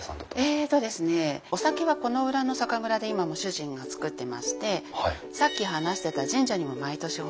えっとですねお酒はこの裏の酒蔵で今も主人が造ってましてさっき話してた神社にも毎年奉納させていただいてます。